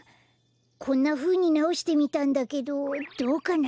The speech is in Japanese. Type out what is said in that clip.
こんなふうになおしてみたんだけどどうかな？